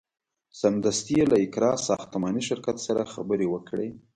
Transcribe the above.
سمدستي یې له اقراء ساختماني شرکت سره خبرې وکړې.